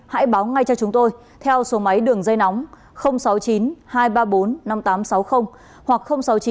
hãy báo ngay cho chúng tôi theo số máy đường dây nóng sáu mươi chín hai trăm ba mươi bốn năm nghìn tám trăm sáu mươi hoặc sáu mươi chín hai trăm ba mươi một một nghìn sáu trăm bảy